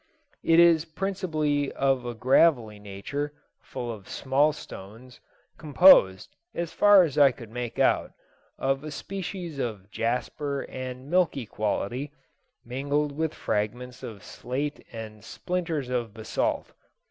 It is principally of a gravelly nature, full of small stones, composed, as far as I could make out, of a species of jasper and milky quality, mingled with fragments of slate and splinters of basalt.